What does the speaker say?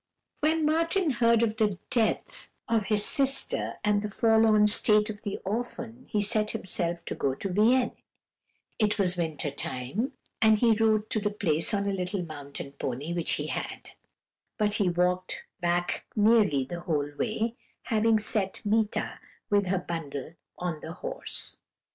"When Martin heard of the death of his sister, and the forlorn state of the orphan, he set himself to go to Vienne; it was winter time, and he rode to the place on a little mountain pony which he had; but he walked back nearly the whole way, having set Meeta, with her bundle, on the horse.